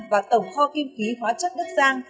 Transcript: và tổng kho kim khí hóa chất đất giang